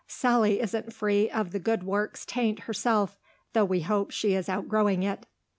Sally isn't free of the good works taint herself, though we hope she is outgrowing it."